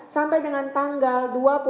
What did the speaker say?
sampai dengan tanggal